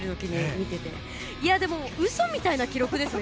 でも、嘘みたいな記録ですね。